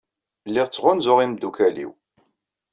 Lliɣ ttɣanzuɣ imeddukal-inu.